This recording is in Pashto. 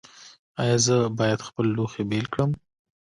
ایا زه باید خپل لوښي بیل کړم؟